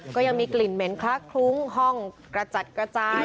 ก็ยังมีกลิ่นเหม็นคลักคลุ้งห้องกระจัดกระจาย